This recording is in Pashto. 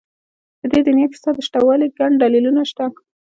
په دې دنيا کې ستا د شتهوالي گڼ دلیلونه شته.